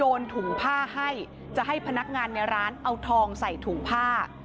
ถุงผ้าให้จะให้พนักงานในร้านเอาทองใส่ถุงผ้า